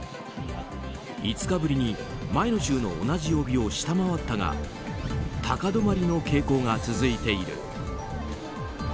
５日ぶりに前の週の同じ曜日を下回ったが高止まりの傾向が続いている。